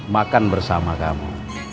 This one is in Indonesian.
makan bersama kamu